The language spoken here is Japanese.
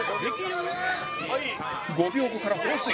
５秒後から放水